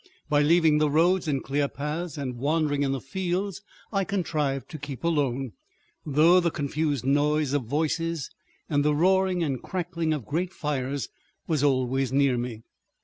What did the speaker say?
By leaving the roads and clear paths and wandering in the fields I contrived to keep alone, though the confused noise of voices and the roaring and crackling of great fires was always near me.